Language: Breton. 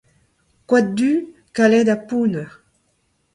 Koad du, kalet ha pounner.